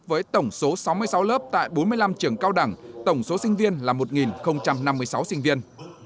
với tổng số sáu mươi sáu lớp tại bốn mươi năm trường cao đẳng tổng số sinh viên là một năm mươi sáu sinh viên